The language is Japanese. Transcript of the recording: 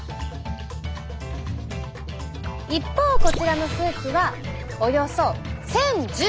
一方こちらの数値はおよそ１，０１０。